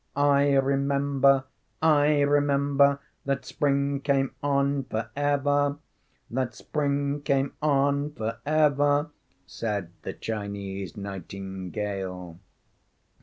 "I remember, I remember That Spring came on forever, That Spring came on forever," Said the Chinese nightingale.